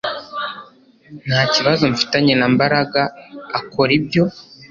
Nta kibazo mfitanye na Mbaraga akora ibyo